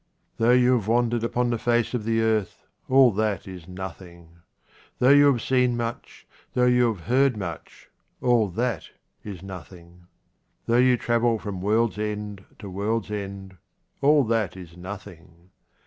Though you have wandered upon the face of the earth, all that is nothing. Though you have seen much, though you have heard much, 25 QUATRAINS OF OMAR KHAYYAM all that is nothing. Though you travel from world's end to world's end, all that is nothing.